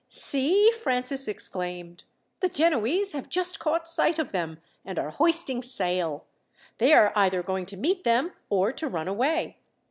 "See!" Francis exclaimed. "The Genoese have just caught sight of them, and are hoisting sail. They are either going to meet them or to run away.